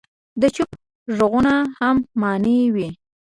د چوپ ږغونو هم معنی وي.